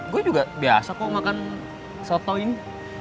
gue juga biasa kok makan soto ini